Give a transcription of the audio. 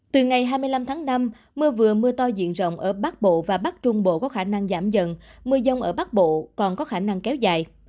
từ ngày hai mươi năm tháng năm mưa vừa mưa to diện rộng ở bắc bộ và bắc trung bộ có khả năng giảm dần mưa rông ở bắc bộ còn có khả năng kéo dài